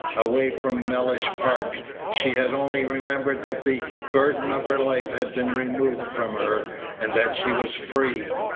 Away from Mellish Park, she had only remembered that the burden of her life had been removed from her, and that she was free.